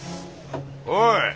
おい！